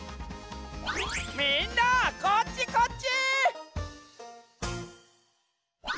みんなこっちこっち！